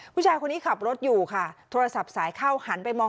ผู้ชายคนนี้ขับรถอยู่ค่ะโทรศัพท์สายเข้าหันไปมอง